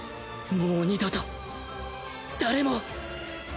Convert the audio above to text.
もう二度と誰も